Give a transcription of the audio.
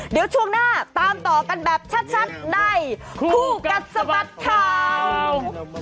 เดี๋ยวช่วงหน้าตามต่อกันแบบชัดในคู่กัดสะบัดข่าว